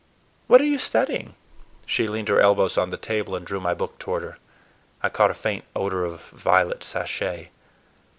What are you studying?" She leaned her elbows on the table and drew my book toward her. I caught a faint odor of violet sachet.